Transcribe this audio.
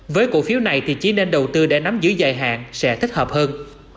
với cổ phiếu này thì chỉ nên đầu tư để nắm giữ dài hạn sẽ thích hợp hơn